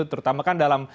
terutama kan dalam